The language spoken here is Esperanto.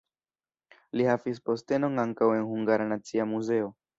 Li havis postenon ankaŭ en Hungara Nacia Muzeo.